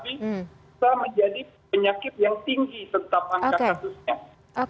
bisa menjadi penyakit yang tinggi tetap angka kasusnya